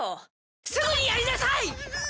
すぐにやりなさい！